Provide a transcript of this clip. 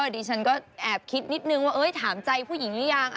ดิฉันก็แอบคิดนิดนึงว่าถามใจผู้หญิงหรือยัง